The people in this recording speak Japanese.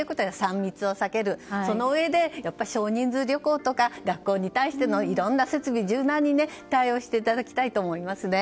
３密を避けるそのうえで少人数旅行とか学校に対してのいろんな設備を柔軟に対応していただきたいと思いますね。